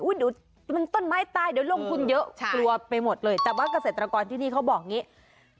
เดี๋ยวมันต้นไม้ตายเดี๋ยวลงทุนเยอะกลัวไปหมดเลยแต่ว่าเกษตรกรที่นี่เขาบอกอย่างนี้